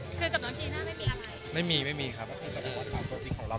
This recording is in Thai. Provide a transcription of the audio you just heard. คือกับน้องจีน่าไม่มีอะไร